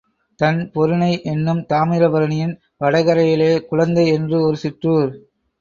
தண் பொருநை என்னும் தாமிர பரணியின் வடகரையிலே குளந்தை என்று ஒரு சிற்றூர்.